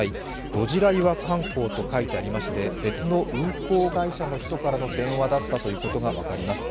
ゴジラ岩観光と書いてありまして別の運航会社からの電話だったことが分かります。